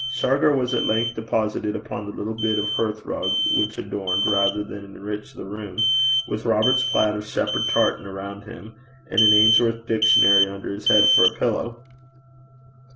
Shargar was at length deposited upon the little bit of hearthrug which adorned rather than enriched the room, with Robert's plaid of shepherd tartan around him, and an Ainsworth's dictionary under his head for a pillow.